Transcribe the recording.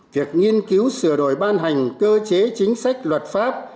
việc nghiên cứu sửa đổi ban hành cơ chế chính sách luật pháp